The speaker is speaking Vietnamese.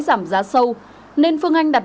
giảm giá sâu nên phương anh đặt